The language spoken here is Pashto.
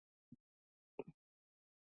جلګه د افغانستان د صنعت لپاره مواد برابروي.